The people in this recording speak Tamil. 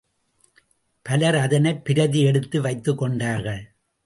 பலர் அதனைப் பிரதி எடுத்து வைத்துக் கொண்டார்கள்.